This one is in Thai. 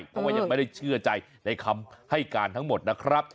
เพราะว่ายังไม่ได้เชื่อใจในคำให้การทั้งหมดนะครับ